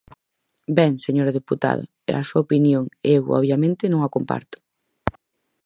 Ben, señora deputada, é a súa opinión, e eu, obviamente, non a comparto.